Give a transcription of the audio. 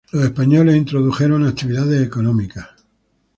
Los españoles introdujeron actividades económicas.